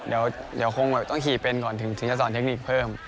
เดี๋ยวคงต้องขี่เป็นก่อนถึงจะสอนเทคนิคเพิ่ม